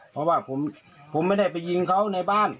เพราะว่าผมไม่ได้ไปยิงเขาในบ้าน